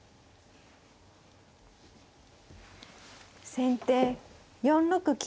先手４六金。